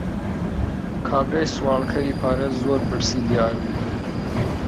کابرای سواڵکەری پارە، زۆر برسی دیار بوو.